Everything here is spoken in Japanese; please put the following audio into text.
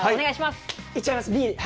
いっちゃいます。